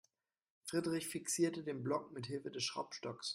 Friedrich fixierte den Block mithilfe des Schraubstocks.